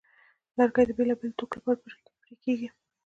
لرګی د بېلابېلو توکو لپاره پرې کېږي.